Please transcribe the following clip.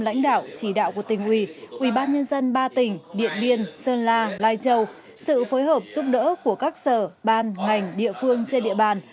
lãnh đạo chỉ đạo của tỉnh ủy ubnd ba tỉnh điện biên sơn la lai châu sự phối hợp giúp đỡ của các sở ban ngành địa phương trên địa bàn